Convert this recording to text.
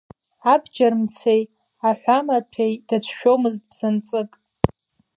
Абџьармцеи аҳәамаҭәеи дацәшәомызт бзанҵык.